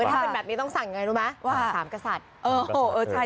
ถ้าเป็นแบบนี้ต้องสั่งอย่างไรรู้ไหม๓กษัตริย์